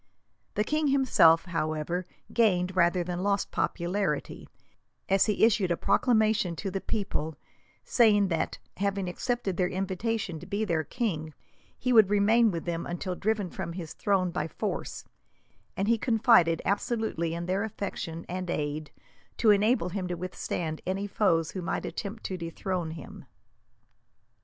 The king himself, however, gained rather than lost popularity, as he issued a proclamation to the people, saying that, having accepted their invitation to be their king, he would remain with them until driven from his throne by force; and he confided absolutely in their affection, and aid, to enable him to withstand any foes who might attempt to dethrone him.